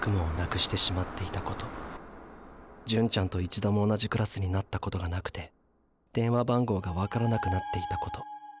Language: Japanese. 純ちゃんと一度も同じクラスになったことがなくて電話番号がわからなくなっていたこと。